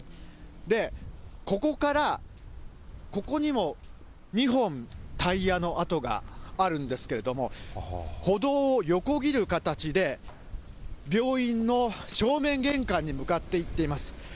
ここから、ここにも２本、タイヤの跡があるんですけれども、歩道を横切る形で、病院の正面玄関に向かっていっています。